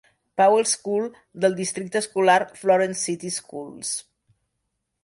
Powell School del districte escolar Florence City Schools.